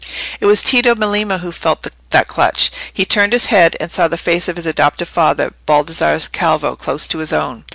It was Tito Melema who felt that clutch. He turned his head, and saw the face of his adoptive father, Baldassarre Calvo, close to his own.